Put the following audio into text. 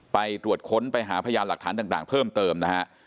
ไปตรวจค้นไปหาพยานหลักฐานต่างเพิ่มเติมนะฮะ